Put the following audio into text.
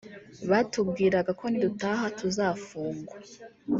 batubwiraga ko nidutaha tuzafungwa